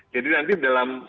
jadi nanti dalam